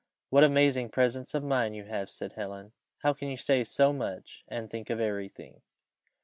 "What amazing presence of mind you have!" said Helen. "How can you say so much, and think of every thing!"